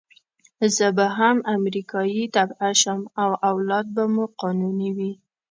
زه به هم امریکایي تبعه شم او اولاد به مو قانوني وي.